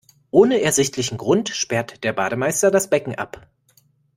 Ohne ersichtlichen Grund sperrt der Bademeister das Becken ab.